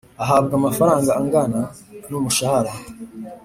ahabwa amafaranga angana n umushahara